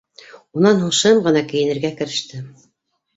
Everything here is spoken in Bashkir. Унан һуң шым ғына кейенергә кереште.